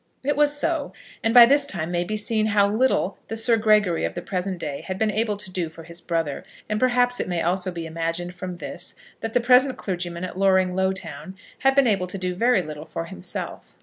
It was so; and by this may be seen how little the Sir Gregory of the present day had been able to do for his brother, and perhaps it may also be imagined from this that the present clergyman at Loring Lowtown had been able to do very little for himself.